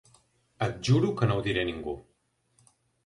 Et juro que no ho diré a ningú.